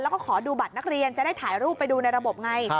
แล้วก็ขอดูบัตรนักเรียนจะได้ถ่ายรูปไปดูในระบบไง